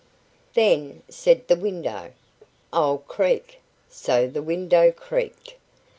"Then," said the window, "I'll creak." So the window creaked.